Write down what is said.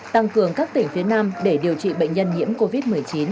tăng cường các tỉnh phía nam để điều trị bệnh nhân nhiễm covid một mươi chín